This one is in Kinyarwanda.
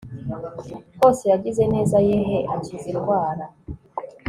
hose yagize neza yehe, akiza indwara